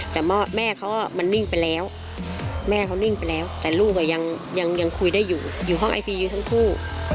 แต่แม่เขามันนิ่งไปแล้วแม่เขานิ่งไปแล้วแต่ลูกยังคุยได้อยู่อยู่ห้องไอซียูทั้งคู่